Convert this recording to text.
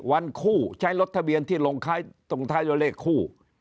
วันคู่ใช้รถทะเบียนที่ลงตรงท้ายตัวเลขคู่